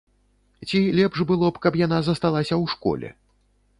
Ці лепш было б, каб яна засталася ў школе?